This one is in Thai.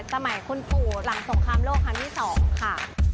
สมัยคุณผู้หลังสมคำโลกคันที่๒ค่ะ